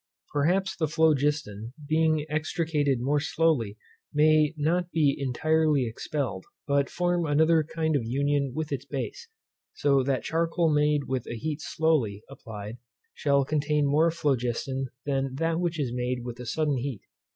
Perhaps the phlogiston being extricated more slowly may not be intirely expelled, but form another kind of union with its base; so that charcoal made with a heat slowly applied shall contain more phlogiston than that which is made with a sudden heat.